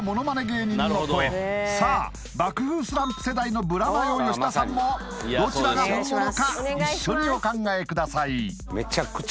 芸人の声さあ爆風スランプ世代のブラマヨ・吉田さんもどちらが本物か一緒にお考えください